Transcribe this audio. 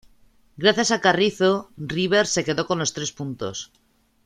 Gracias a Carrizo, River se quedó con los tres puntos.